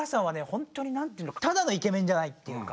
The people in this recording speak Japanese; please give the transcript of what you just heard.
ほんとになんていうのただのイケメンじゃないっていうか。